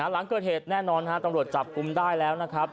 หลังเกิดเหตุแน่นอนตำรวจจับกลุ่มได้แล้วนะครับ